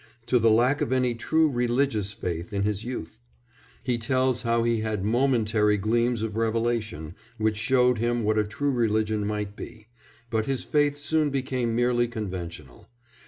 to the lack of any true religious faith in his youth. He tells how he had momentary gleams of revelation which showed him what a true religion might be, but his faith soon became merely conventional.